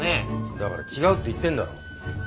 だから違うって言ってんだろ。